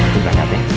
tunggu sebentar ya